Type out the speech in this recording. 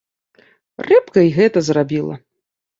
Рыбка і гэта зрабіла.